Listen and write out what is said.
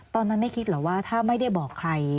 ตอนนั้นไม่คิดเหรอว่าถ้าไม่ได้บอกใคร